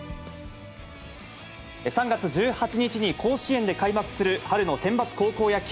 ３月１８日に甲子園で開幕する春のセンバツ高校野球。